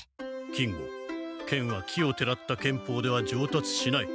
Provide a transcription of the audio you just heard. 金吾剣はきをてらった剣法ではじょうたつしない。